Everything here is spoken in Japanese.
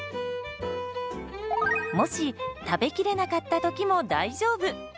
もし食べきれなかった時も大丈夫。